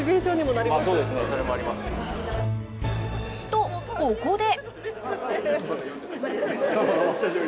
と、ここで。